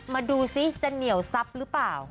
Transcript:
มาดูซิจะเหนียวซับหรือเปล่า